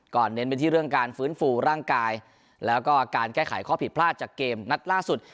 เน้นไปที่เรื่องการฟื้นฟูร่างกายแล้วก็การแก้ไขข้อผิดพลาดจากเกมนัดล่าสุด